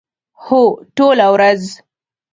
هو، ټوله ورځ